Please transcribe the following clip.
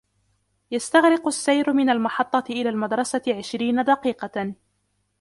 يستغرق السير من المحطة إلى المدرسة عشرين دقيقة.